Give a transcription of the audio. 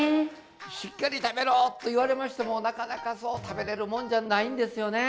「しっかり食べろ！」と言われましてもなかなかそう食べれるもんじゃないんですよね。